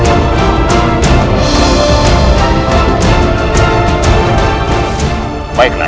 kamu melibatkan aku